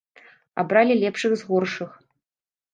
Абралі лепшых з горшых.